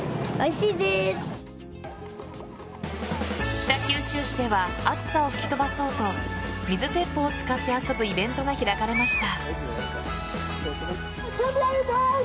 北九州市では暑さを吹き飛ばそうと水鉄砲を使って遊ぶイベントが開かれました。